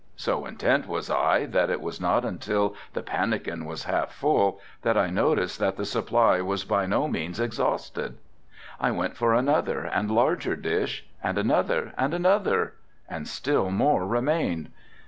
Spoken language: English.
So intent was I that it was not until the pannakin was half full that I noticed that the supply was by no means exhausted. I went for another and larger dish and another and another, and still more remained.